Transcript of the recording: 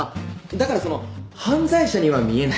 だからその犯罪者には見えないというか。